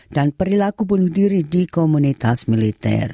dan perilaku bunuh diri di komunitas militer